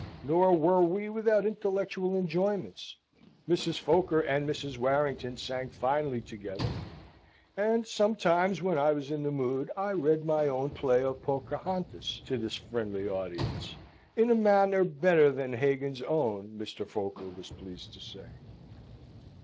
Nor were we without intellectual enjoyments; Mrs. Foker and Mrs. Warrington sang finely together; and sometimes when I was in the mood, I read my own play of Pocahontas, to this friendly audience, in a manner better than Hagan's own, Mr. Foker was pleased to say.